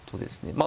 まあ